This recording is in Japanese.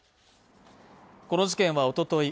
この事件はおととい